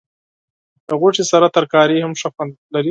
د غوښې سره ترکاري هم ښه خوند لري.